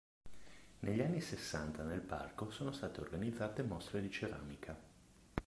Negli anni sessanta nel parco sono state organizzate mostre di ceramica.